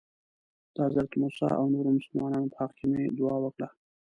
د حضرت موسی او نورو مسلمانانو په حق کې مې دعا وکړه.